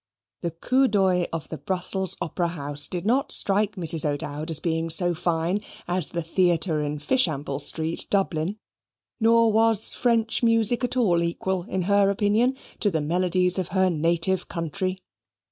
The coup d'oeil of the Brussels opera house did not strike Mrs. O'Dowd as being so fine as the theatre in Fishamble Street, Dublin, nor was French music at all equal, in her opinion, to the melodies of her native country.